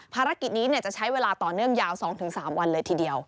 ภารกิจนี้จะใช้เวลาต่อเนื่องยาว๒๓วันเลยทีเดียว